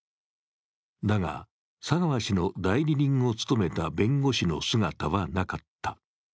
だが、佐川氏の代理人を務めた弁護士の姿はなかった。